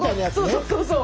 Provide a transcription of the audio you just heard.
そうそうそうそう。